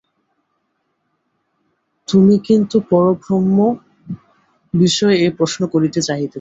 তুমি কিন্তু পরব্রহ্ম বিষয়ে এই প্রশ্ন করিতে চাহিতেছ।